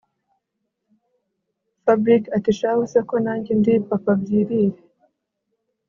Fabric atishahu se ko najye ndi papabyirire